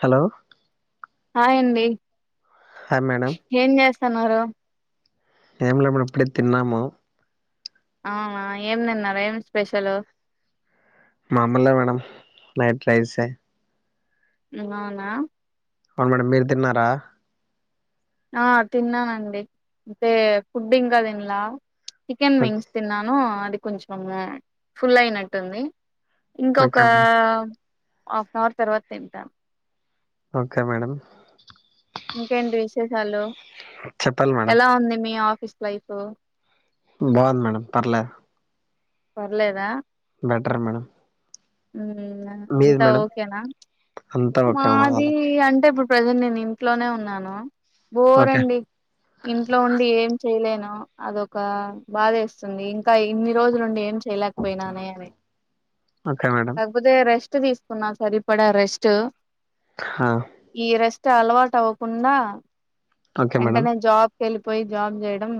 Hello హాయండి hi madam సనరు ఏమ్లె మేడం ఇప్పుడే తిన్నాము అవునా ఏం దిన్నారు ఏం స్పెషల్ మాములే మేడం నైట్ రైసే అవునా అవును మేడం మీరు తిన్నారా ఆ తిన్నానండి అంటే ఫుడ్ ఇంకా తిన్లా చికెన్ ఓకే వింగ్స్ తిన్నాను అది కొంచం ఫుల్ అయినట్టుంది ఇంకొక okay madam half an hour తర్వాత తింటాం ఓకే మేడం ఇంకేంటి విశేషాలు చెప్పాలి మేడం ఎలా ఉంది మీ ఆ స్ వైఫ్ బాగుంది మేడం పర్లేదు పర్లేదా బెటర్ మేడం మ్ మీది అంతా మేడం ఓకేనా అంతా ఓకే మేడం మాది వాళ్ళకి అంటే ఇప్పుడు ప్రజెంట్ నేను ఇంట్లోనే ఉన్నాను ఓకే బోరండి ఇంట్లో ఉండి ఏం చేయలేను ఆ అదొక బాదేస్తుంది ఇంకా ఇన్ని రోజులుండి ఏం చేయలేకపోయినానే అని ఓకే మేడం కాకపోతే రేష్ రెస్ట్ తీసుకున్నా సరి పడే రెస్ట్ ఆ ఈ రెస్ స్ట్ అలవాట్ అవ్వకుండా ఓకే మేడం వెంటనే జాబ్ కెళ్ళిపోయి జాబ్ చేయడం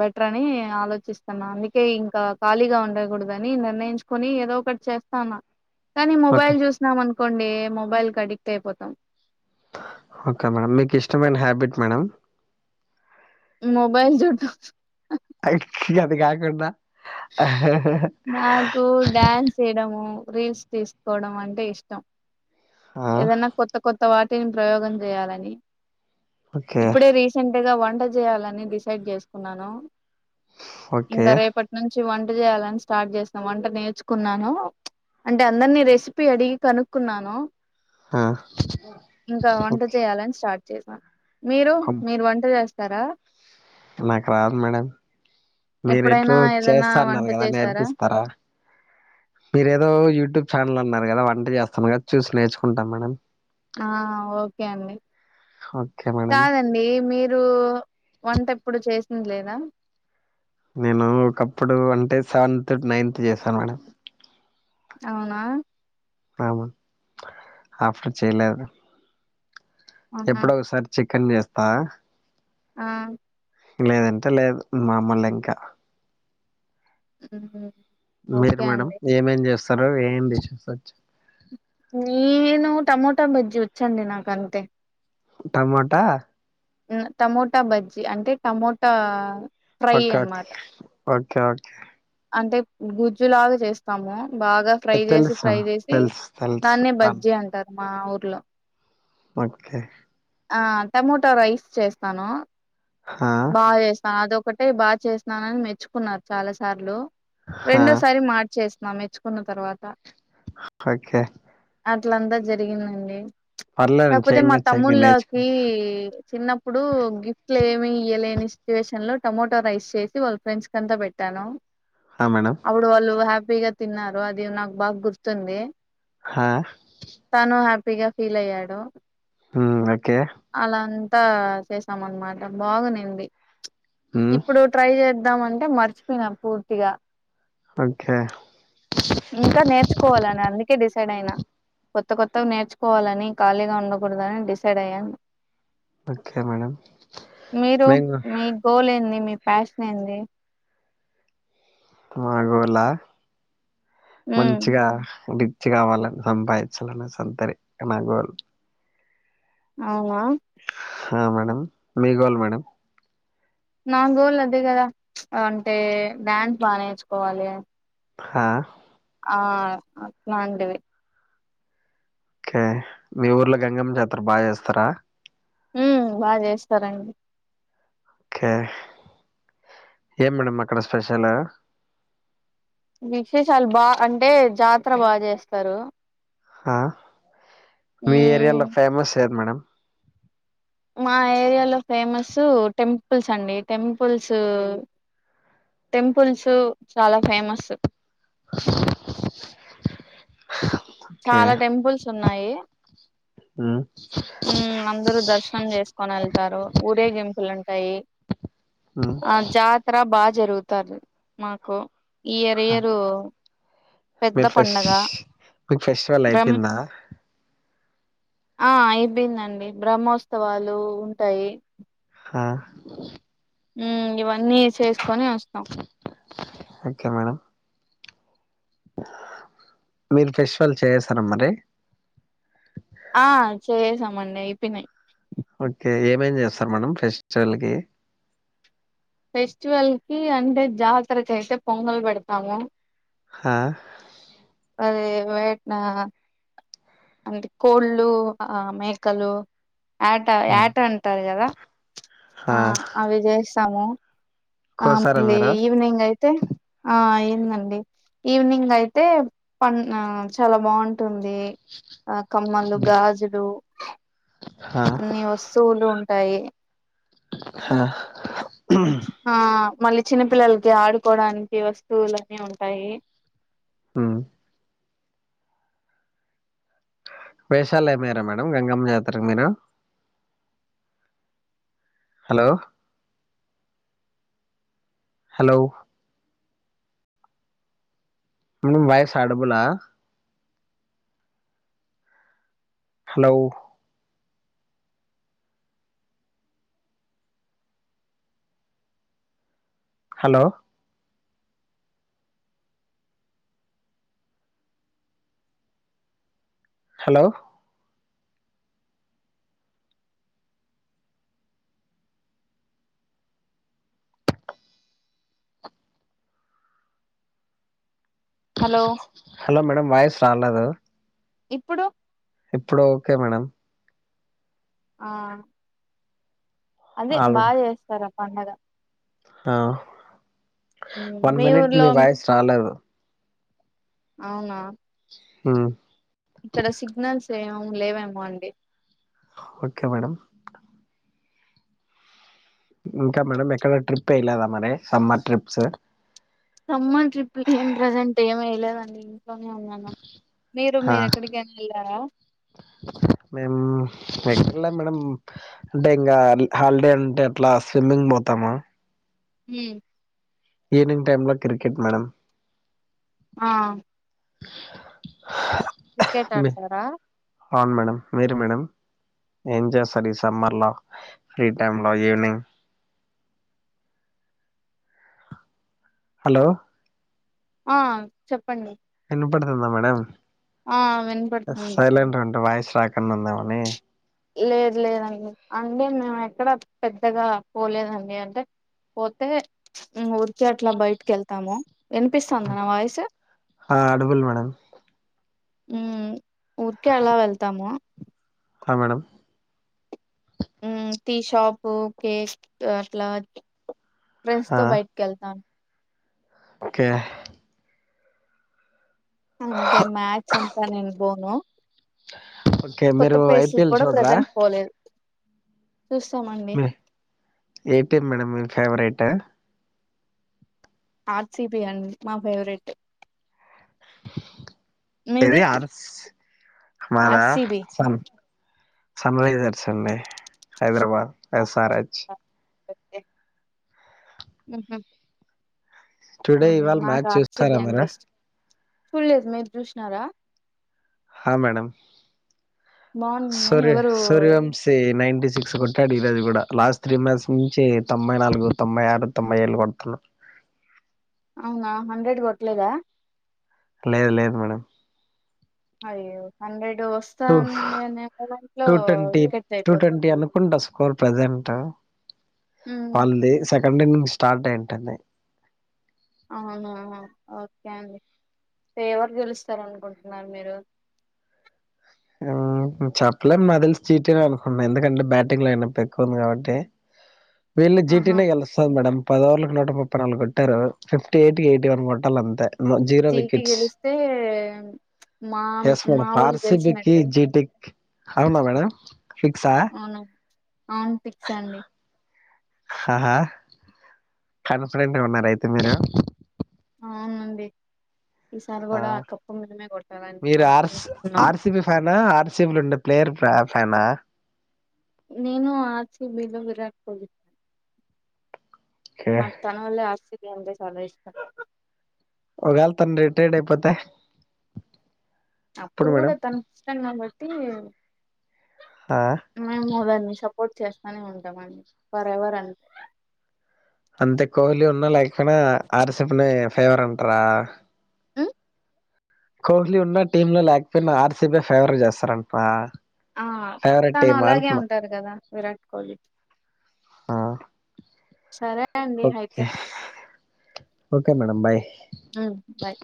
బెటర్ అని ఆలోచిస్తాన్న అందుకే ఇంకా ఖాళీగా ఉండకూడదు అని నిర్ణయించుకొని ఏదో ఒకటి చేస్న్నా కానీ ఓకే మొబైల్ చూసినం అనుకో కోండి మొబైల్ కి అడిక్ట్ అయిపోతాం ఓకే మేడం మీకు ఇష్టమైన హ్యాబిట్ మేడం మొబైల్ చూడటం అయికి అది కాకుండ నాకు డ్యాన్స్ చేయడము రీల్స్ తీసుకోవడం అంటే అంటే ఇష్టం ఆ ఏదన్న కొత్త కొత్త వాటికీ ఏం ప్రయోగం చేయాలని ఓకే ఇప్పుడే రీసెంట్ గా వన్ ఎలా చేయాలని డిసైడ్ చేసుకున్నాను ఓకే ఇంక రేపటి నుంచి వంట వంట చేయాలని స్టార్ట్ చేసినామ్ వంట నేర్చుకున్నాను అంటే అందరిని రెసిపీ అడిగి కనుక్కున్నాను ఆ ఇంకా వంట ఓకే చేయాలని స్టార్ట్ చేసా మీరు మీరు వంట చేస్త స్తారా నాకు రాదు మేడం మీరు ఎప్పుడైనా ఎట్లో ఏదైనా చేస్తా వంట అన్నారు కదా చేసారా నేర్పిస్తారా మీరేదో యూట్యూబ్ ఛానల్ అన్నార్ కదా వంట చేస్తన్నార్ కదా చూసి నేర్చుకుంటాం మేడం ఆ ఓకే అండి ఓకే మేడం కాదండి మీరు మీరు వంట ఎప్పుడు చేసింది లేదా నేను ఒకప్పుడు అంటే సెవెన్త్ నైన్త్ చేశాన్ మేడం అవునా అవును ఆఫ్టర్ చేయలేదు ఆహా ఎప్పుడో ఒక సారి చెక్ చికెన్ చేస్తా ఆ లేదంటే లేదు మామూల్నే ఇంకా హు హు మీరు మేడం ఏమేం చేస్తు హలో ఏంటింది సచ్ నేను టమోటా బజ్జి వచ్చండి నాకంతే టమాటా ఆహ్ టమోటా బజ్జి అంటే టమోటా ఫ్రై ఓకే ఓక్ అనమాట ఓకే ఓక్ అంటే గు గుజ్జులాగా చేస్తాము బాగా ఫ్రై చేసి తెలుసు ఫ్రై చేసి తెలుసు తెలుసు దాన్నే బజ్జి అంటారు మా ఊర్ హల్లో ఒకే ఆ టమోటో రైస్ చేస్తాను. హా, బాగ చేసిన అదోకటి అంటే బాగా చేసినానని మెచ్చుకున్నారు చాలా సార్లు హా, రెండోసారి మార్చేస్తు మా మెచ్చుకున్న తర్వాత ఓకే అట్లంతా జరిగిందండి పర్లేదండి చేంజ్ చేసే తమ్ములాకి చిన్నప్పుడు గిఫ్ట్ లు ఏమి ఈయలేని స్థితి సిచువేషన్ లో టమోటో రైస్ చేసి వాళ్ళ ఫ్రెండ్స్ కంతా పెట్టాను. హా, మేడం అప్పుడు వాళ్ళు హ్యాపీగా తిన్నారు అది నాకు బాగ్గుర్తుంది. హా పిగా ఫీల్ అయ్యాడు హ ఓకే అత్తా చేశాం అనమాట బాగునేంది ఉమ్, ఇప్పుడు ట్రై చే చేద్దాం అంటే మర్చిపోయినా పూర్తిగా ఓకే ఇంకా నేర్చుకోవాలని అందుకే డిస్ డిసైడ్ అయినా కొత్త కొత్తగా నేర్చుకోవాలని ఖాళీగా ఉండ ప్పుడు కానీ డిసైడ్ అయన్ ఓకే మేడం మీరు మేము మీ గోల్ ఏంది మీకు ఫ్యాషన్ ఏంది మాగోలా ఉమ్ మంచిగా డి మచ్చి కావాలని సంపాదించాలని సంతరి నాగోల్ అవునా హ మేడం ఏమి గోల్ మేడం నా గోల్ అదే కదా అంటే డ్యాన్స్ బాగా నేర్చుకోవాలి హా ఆ అట్లాంటివే ఓకే మీ ఊర్లో గంగమ్మ జాత్ర బాగా చేస్తారా హు బాగా చేస్తారండి ఓకే ఏం మేడమ్ అక్కడ స్పెషల్ విశేషాలు బాగా అంటే జాతర బాగా చేస్తారు ఆ మీ ఉమ్ ఏరియాలో ఫేమస్ ఏది మేడం మా ఏరియాలో ఫేమస్ టెంపుల్స్ అండి టెంపుల్స్ టెంపుల్స్ చాలా ఫేమస్ [inaudible] చాలా టెంపుల్స్ ఉన్నాయి ఉ ఊ అందరూ దర్శనం చేస్త కొనేళ్తారు ఊరేగింపులుంటాయి ఉమ్ ఆ జాతర బాగ్ జరుగుతాది మాకు ఇయరియరు మీకు ఫేస్ట్ మీకు ఫెస్టివల్ బ్రహ్మ అయిపోయిందా ఆ అయిపోయిందండి బ్రహ్మోత్సవాలు ఉంటాయి ఆ ఊ ఇవన్నీ చేస్త్ చేస్కొని వస్తాం ఓకే మేడం మీరు ఫెస్టివల్ చేసార మరి ఆ చేసామండి అయిపోయినయి ఓకే ఏం ఏం చేస్తారు మేడం ఫెస్టివల్కి ఫెస్టివల్ కి అంటే జాతరకి అయితే పొంగలు పెడతాము హా అదే వేట్నా అందు కోళ్ళు ఆ మేకలు యాట యాట అంటారు కదా ఆ హా అవి చేస్త చేస్తాము ఆ కోసారా మళ్ళీ మీరు ఈవ్నింగ్ అయితే కోస్తే ఆ అయ్యిన్దండి ఈవినింగ్ అయితే పండుగా చాలా బాగుంటా బాగుంటుంది ఆ కమ్మలు గాజులు హా అన్ని వస్తువులు ఉన్ ఉంటాయి హా ఆ మళ్ళీ చిన్నపిల్లలకి ఆడుకోడానికి వస్తువులనీ ఉంటాయి మ్మ్ వేషాలు ఎత్పయినర మేడం ఇంగామ్ జాతర మీరు హలో హలో మ్మ్ వాయిస్ అయిడబుల్ ఆ hello hello hello hello hello madam voice తాలేద ఇప్పుడు ఇప్పుడు ఓకే మేడం ఆ అదే ఆల్ బాగా చేస్తార పండగ ఆ మ్, వన్ మినిట్ ఊర్లో మీ వయస్ రాలేదు అవునా మ్మ్ ఇక్కడ సిగ్నల్స్ ఎం లేవేమో అండి ఓకే మేడం ఇంకా మేడంమ్ ఎక్కడ ట్రిప్ పేయిలేదా మరి సమ్మర్ ట్రిప్స్ సమ్మర్ ట్రిప్ కి ఏం ప్రెసెంట్ ఏం ఏయ్యలేదు అండి ఇంట్లోనే ఉన్నాను మీరు హా మీరెక్కడికైనా వెళ్ళారా ఎటెళ్ళాలే మేడం అంటే ఇంకా హాలిడే ఉంటే అట్లా స్విమ్మింగ్ పోతాము మ్ ఈవినింగ్ టైమ్ లో క్రికెట్ మేడం ఆ క్రికెట్ మీ ఆడతారా అవును మేడం మీరు మేడం ఏం చేస్తారు ఈ సమ్మర్లో ఫ్రీ టైమ్ంలో ఈవినింగ్ హాలొ ఆ చెప్పండి నొప్పేడుతండా మేడం ఆ వినపడుతుంది సైలెంట్ అంట వాయిస్ ట్రాక్ ఏమైనా ఉంది ఏమోని లేదు లేదండి అంటే మేము ఎక్కడ పెద్దగా పోలేదండి అంటే పోతే ఉఊరికె అట్లా బయటకికెళ్తే తము ఆ అడుగుల్ మేడం మ్మ్ ఊర్కే అలా వెళ్తాము అ మేడం మ్మ్ టీ షాప్, కేక్ అట్లా ఫ్రెండ్స్ ఆ! తో బైట్కి వెళ్తాను ఓకే అంతే మ్యాచ్ అంతా నేన్ బావుందా ఒకే మీరు ఐ పి ఎల్ కూడా చూడ్రా ప్రజెంట్ పోలేదు చూస్తామండి మీ ఏ టీం మేడం మీ ఫేవరేట్ ట ఆర్ సీ బి అండి మా ఫేవరెట్ ఏది మీది అర్స్ మాదా ఆర్సిబి సన్ సన్ రైజర్స్ అండి Hyderabad S R H okay మ్మ్ హ్మ్ టుడే ఇవాళ మ్యాచ్ చూస్తారా మిరా చూడ్లేదు మీరు చూసినారా హా మేడం బాగుంది సూర్య ఎవరు సూర్యవంశీ నైంటీ సిక్స్ కొట్టాడు ఈరోజు కూడ. లాస్ట్ త్రీ మంత్స్ నుంచి తొంబై నాలుగు, తొంబై ఆరు, తొంభై ఏళ్ళు కొడుతున్నా అవునా హండ్రెడ్ కొట్లేదా లేదు లేదు మేడం అయ్యో హండ్రెడ్ ఇప్పుడు టూ వస్తాను [unintelligible] దాంట్లో టూ ట్వంటీ వికెట్ టూ అయిపోతు ట్వంటీ అనుకుంటా స్కోర్ ప్రజెంట్ ఉమ్ [unintelligible] ళ్లే స సండే నుండి స్టార్ట్ అయింటంది అవునా ఓకే అండి. ఎవరు గెలుస్తారు అనుకుంటున్నారు మీరు? మ్మ్ చెప్పలేం మాక్ తెలిసి చీటింగ్ అనుకుంటున్నా ఎందుకంటే బ్యాటింగ్ లైన్ అప్ ఎక్కువ ఉంది కాబట్టి వీళ్లు జీ టి ఆహా నే గెలుస్తాది మేడం పది ఓవర్లకు నూట ముప్పై నాలుగు కొట్టారు. ఫిఫ్టీ ఎయిట్కి, ఎయిటీ వన్ కొట్టాలి అంతే జీరో జీ టి వికెట్స్ గెలిస్తే మా మా వోళ్లు గెలిచినట్టే టెక్ అవునా మేడం ఫిక్సా అవును అవును పిక్స్ అండి ఆహా కాన్ఫిడెంట్గా ఉన్నారు అయితే మీరు అవునండి ఈసారి ఆ కూడా కప్పు మనమే [unintelligible] డే ప్లేయర్ ప్ర ఫ్యానా నేను ఆర్ సి బిలో విరాట్ కోహ్లీ ఓకే మకి తన వల్లే ఆర్ సి అంటే చాలా ఇష్టం ఒకవేళ తను రీట్రేడ్ అయిపోతే అప్పుడు కూడా తనకిష్టం కాబట్టి ఆ మామోదాని సపోర్ట్ చేస్తా అని ఉంటామండి ఫర్ ఎవర్ అం అంతే కోహ్లీ ఉన్నా లైక్ కనా ఆర్ సి బి నే ఫేవర్ అంటర ఉమ్ కోహ్లీ ఉన్నా టీమ్ లో లేకపోయినా ఆర్ సి బి ఫేవర్ చేస్తారంట్రా ఆ తను అలాగే ఉంటారు కదా విరాట్ కోహ్లీ ఆ సరే అండి ఓ అయితే ఓకే మేడం బయ్ ఉమ్ బాయ్